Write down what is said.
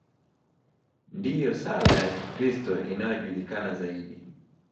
Ndiyo sala ya Kikristo inayojulikana zaidi.